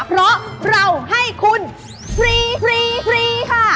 เพราะเราให้คุณฟรีค่ะ